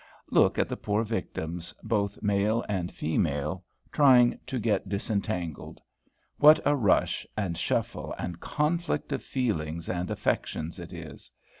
Look at the poor victims, both male and female, trying to get disentangled. What a rush, and shuffle, and conflict of feelings and affections it is!